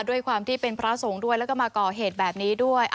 ด้วยความที่เป็นพระสงฆ์ด้วยแล้วก็มาก่อเหตุแบบนี้ด้วย